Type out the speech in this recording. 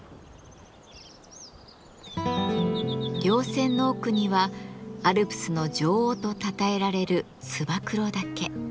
稜線の奥にはアルプスの女王とたたえられる燕岳。